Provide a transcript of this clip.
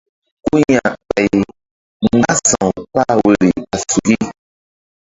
Ku ya̧ ɓay mgbása̧w kpah woyri ɓa suki.